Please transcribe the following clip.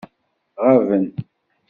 Ɣaben.